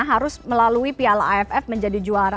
harus melalui piala aff menjadi juara